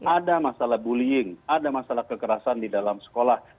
ada masalah bullying ada masalah kekerasan di dalam sekolah